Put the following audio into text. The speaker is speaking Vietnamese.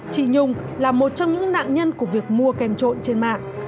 chị nhung là một trong những nạn nhân của việc mua kèm trộn trên mạng